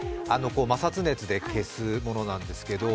摩擦熱で消すものなんですけど。